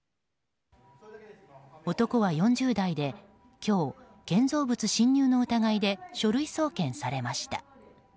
男は４０代で今日、建造物侵入の疑いで書類送検されました。